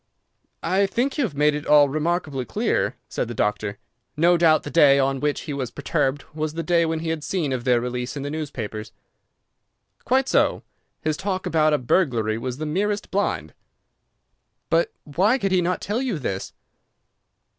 "I think you have made it all remarkably clear," said the doctor. "No doubt the day on which he was perturbed was the day when he had seen of their release in the newspapers." "Quite so. His talk about a burglary was the merest blind." "But why could he not tell you this?"